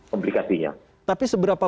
komplikasinya tapi seberapa